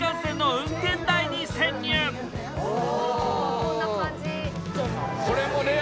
こんな感じ。